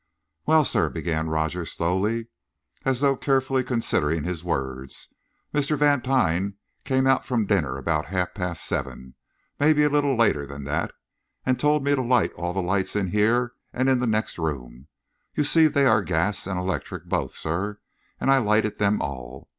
"Well, sir," began Rogers slowly, as though carefully considering his words, "Mr. Vantine came out from dinner about half past seven maybe a little later than that and told me to light all the lights in here and in the next room. You see there are gas and electrics both, sir, and I lighted them all.